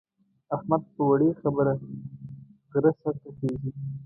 احمد په وړې خبره غره سر ته خېژي.